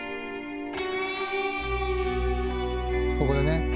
「ここでね